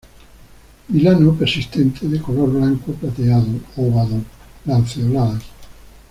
Vilano persistente, de color blanco plateado, ovado-lanceoladas.